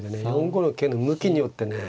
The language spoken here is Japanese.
４五の桂の向きによってね